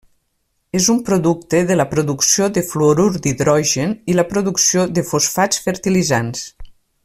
És un producte de la producció de fluorur d’hidrogen i la producció de fosfats fertilitzants.